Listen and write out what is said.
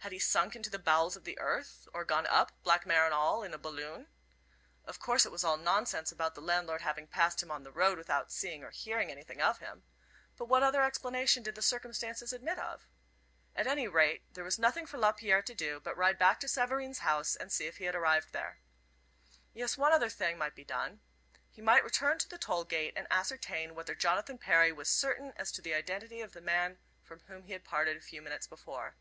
Had he sunk into the bowels of the earth, or gone up, black mare and all, in a balloon? Of course it was all nonsense about the landlord having passed him on the road without seeing or hearing anything of him. But what other explanation did the circumstances admit of? At any rate, there was nothing for Lapierre to do but ride back to Savareen's house and see if he had arrived there. Yes, one other thing might be done. He might return to the toll gate and ascertain whether Jonathan Perry was certain as to the identity of the man from whom he had parted a few minutes before.